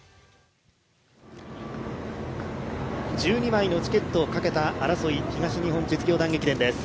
１２枚のチケットをかけた争い、東日本実業団駅伝です。